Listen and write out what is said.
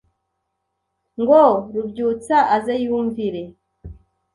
Ngo Rubyutsa aze yumvire